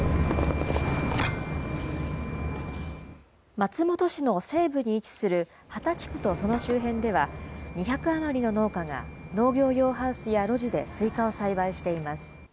松本市の西部に位置する波田地区とその周辺では、２００余りの農家が、農業用ハウスや露地ですいかを栽培しています。